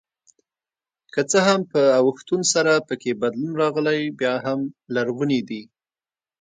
که څه هم په اوښتون سره پکې بدلون راغلی بیا هم لرغوني دي.